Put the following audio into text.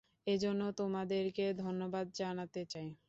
এজন্য তোদেরকে ধন্যবাদ জানাতে চাই।